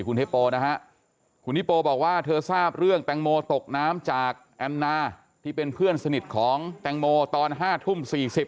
คุณฮิโปนะฮะคุณฮิโปบอกว่าเธอทราบเรื่องแตงโมตกน้ำจากแอนนาที่เป็นเพื่อนสนิทของแตงโมตอน๕ทุ่ม๔๐